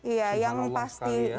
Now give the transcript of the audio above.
ya yang pasti